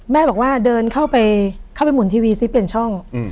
แม่บอกว่าเดินเข้าไปเข้าไปหุ่นทีวีซิเปลี่ยนช่อง